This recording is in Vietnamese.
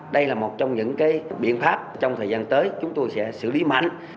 đây là một trong những biện pháp trong thời gian tới chúng tôi sẽ xử lý mạnh